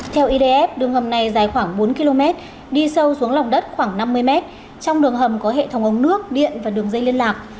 theo idf đường hầm này dài khoảng bốn km đi sâu xuống lòng đất khoảng năm mươi mét trong đường hầm có hệ thống ống nước điện và đường dây liên lạc